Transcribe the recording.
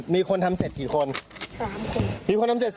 มีคนทำเสร็จกี่คน๓คน